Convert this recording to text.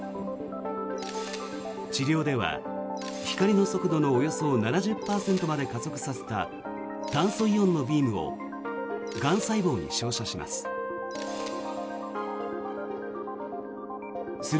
治療では、光の速度のおよそ７０％まで加速させた炭素イオンのビームをがん細胞に照射します。